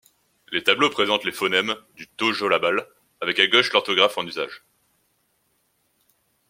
Les tableaux présentent les phonèmes du tojolabal, avec à gauche l'orthographe en usage.